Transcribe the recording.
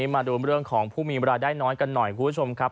มาดูเรื่องของผู้มีเวลาได้น้อยกันหน่อยคุณผู้ชมครับ